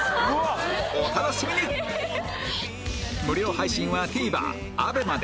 無料配信は ＴＶｅｒＡＢＥＭＡ で